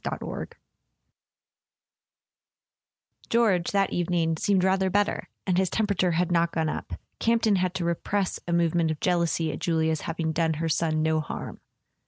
XXVII EORGE, that evening, seemed rather better, and his temperature had not gone up: Camp ton had to repress a movement of jealousy at Julia's having done her son no harm.